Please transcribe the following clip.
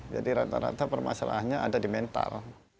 jadi rata rata permasalahannya ada di mental